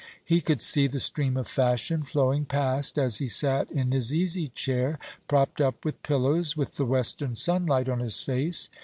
He could see the stream of fashion flowing past as he sat in his easy chair, propped up with pillows, with the western sunlight on his face.